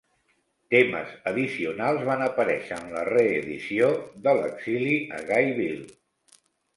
Temes addicionals van aparèixer en la reedició de "l'exili a Guyville".